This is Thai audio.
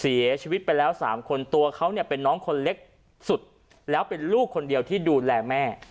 เสียชีวิตไปแล้ว๓คนตัวเขาเนี่ยเป็นน้องคนเล็กสุดแล้วเป็นลูกคนเดียวที่ดูแลแม่